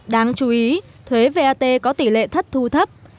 đáng chú ý thuế vat có tỷ lệ thất thu thấp